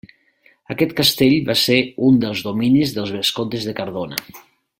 Aquest castell va ser un dels dominis dels vescomtes de Cardona.